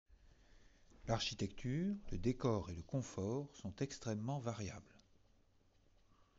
L'architecture, le décor et le confort sont extrêmement variables.